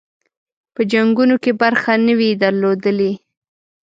په جنګونو کې برخه نه وي درلودلې.